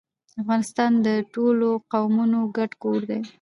افغانستان د ټولو قومونو ګډ کور دی.